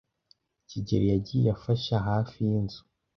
kigeli yagiye afasha hafi yinzu.